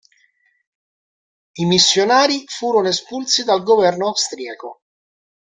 I missionari furono espulsi dal governo austriaco.